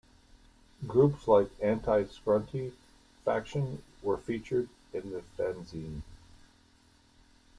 Groups like Anti-Scrunti Faction were featured in the fanzine.